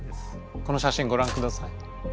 この写真ごらんください。